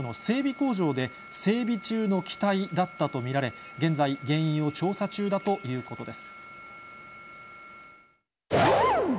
工場で整備中の機体だったと見られ、現在、原因を調査中だということです。